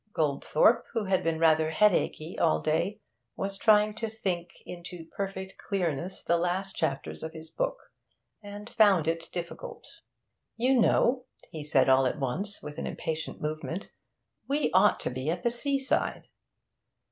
Goldthorpe, who had been rather headachy all day, was trying to think into perfect clearness the last chapters of his book, and found it difficult. 'You know,' he said all at once, with an impatient movement, 'we ought to be at the seaside.'